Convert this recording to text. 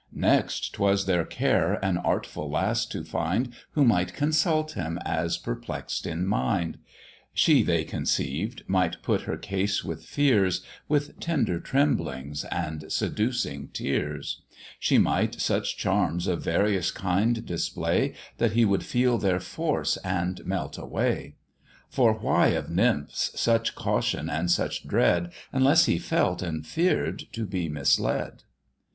Next 'twas their care an artful lass to find, Who might consult him, as perplex'd in mind; She they conceived might put her case with fears, With tender tremblings and seducing tears; She might such charms of various kind display, That he would feel their force and melt away: For why of nymphs such caution and such dread, Unless he felt, and fear'd to be misled?